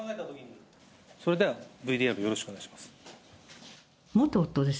それではＶＴＲよろしくお願いします。